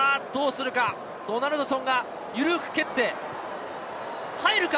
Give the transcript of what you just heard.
ドナルドソンが緩く蹴って、入るか？